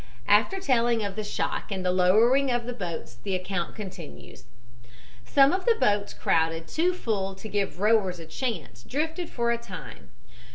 After telling of the shock and the lowering of the boats the account continues: "Some of the boats, crowded too full to give rowers a chance, drifted for a time.